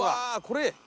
これ？